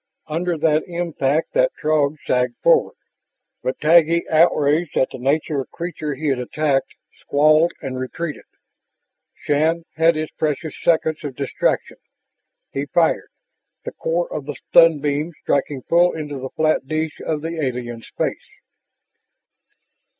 Under that impact that Throg sagged forward. But Taggi, outraged at the nature of creature he had attacked, squalled and retreated. Shann had had his precious seconds of distraction. He fired, the core of the stun beam striking full into the flat dish of the alien's "face."